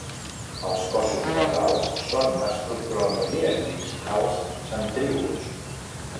Els cossos basals són estructuralment idèntics als centríols.